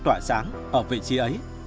tỏa sáng ở vị trí ấy